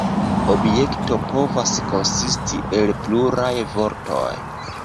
Objekto povas konsisti el pluraj vortoj.